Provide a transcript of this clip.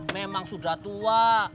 memang sudah tua